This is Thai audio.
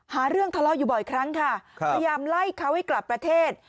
หาเรื่องทะเลาะอยู่บ่อยครั้งค่ะพยายามไล่เขาให้กลับประเทศ